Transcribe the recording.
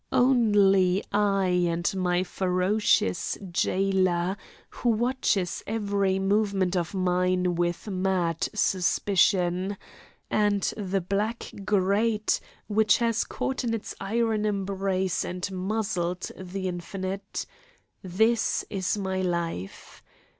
Only I and my ferocious jailer, who watches every movement of mine with mad suspicion, and the black grate which has caught in its iron embrace and muzzled the infinite this is my life.